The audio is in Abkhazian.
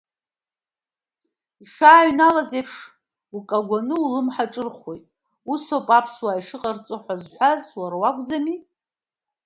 Ишааҩналаз еиԥш, укагәаны улымҳақәа ҿырхуеит, ус ауп аԥсуаа ишыҟарҵо ҳәа зҳәаз уара уакәӡамзи.